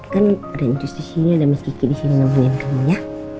kan ada industri disini ada miss kiki disini nabungin kamu ya